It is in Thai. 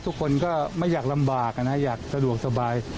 ทุกคนก็ไม่อยากลำบากนะอยากสะดวกสบาย